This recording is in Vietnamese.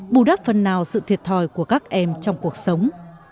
bù đắp phần nào sự thiệt thòi của các em trong cuộc sống